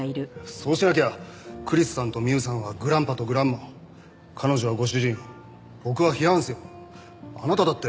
そうしなきゃクリスさんとミウさんはグランパとグランマを彼女はご主人を僕はフィアンセをあなただって。